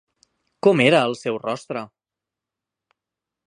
Com era el seu rostre?